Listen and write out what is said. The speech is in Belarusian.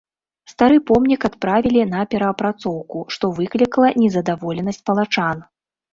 Стары помнік адправілі на перапрацоўку, што выклікала незадаволенасць палачан.